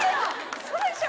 ウソでしょ？